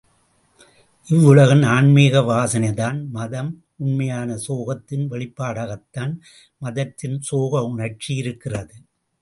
இவ்வுலகின், ஆன்மீக வாசனைதான் மதம், உண்மையான சோகத்தின் வெளிப்பாடாகத்தான் மதத்தின் சோக உணர்ச்சி இருக்கிறது.